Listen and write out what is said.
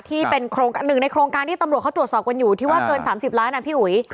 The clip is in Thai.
ที่เป็นหนึ่งในโครงการที่ตำรวจเขาตรวจสอบกันอยู่ที่ว่าเกิน๓๐ล้านอ่ะพี่อุ๋ย